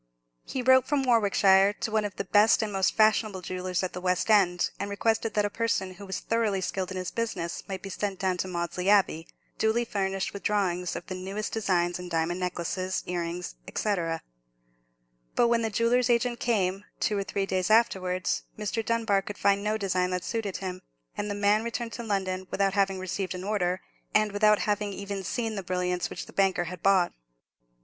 He wrote from Warwickshire to one of the best and most fashionable jewellers at the West End, and requested that a person who was thoroughly skilled in his business might be sent down to Maudesley Abbey, duly furnished with drawings of the newest designs in diamond necklaces, earrings, &c. But when the jeweller's agent came, two or three days afterwards, Mr. Dunbar could find no design that suited him; and the man returned to London without having received an order, and without having even seen the brilliants which the banker had bought.